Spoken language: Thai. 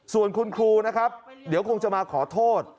ส่วนคุณครูนะครับเดี๋ยวคงจะมาขอโทษ